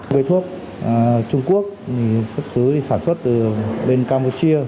về thuốc trung quốc xuất xứ đi sản xuất từ bên căm